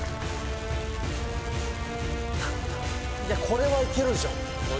これはいけるでしょ。